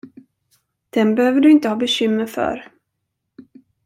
Den behöver du inte ha bekymmer för.